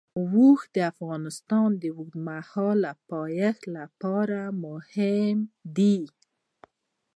اوښ د افغانستان د اوږدمهاله پایښت لپاره مهم دی.